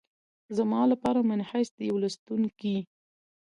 زما لپاره منحیث د یوه لوستونکي